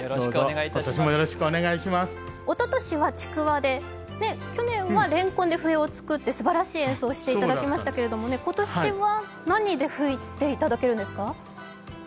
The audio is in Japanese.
おととしは、ちくわで去年は、れんこんで笛を作って、すばらしい演奏をしていただきましたが今年は何で吹いていただけるんですか？